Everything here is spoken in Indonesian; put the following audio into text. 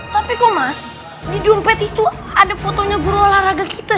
tapi kok mas di dompet itu ada fotonya guru olahraga kita